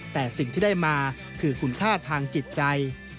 แต่สิ่งที่ได้มาคือคุณค่าทางจิตใจ